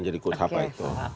jadi kutip apa itu